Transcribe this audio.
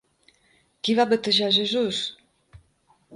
Qui va batejar a Jesús?